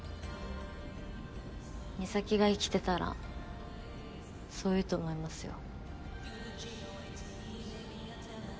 美咲が生きてたらそう言うと思いますよ。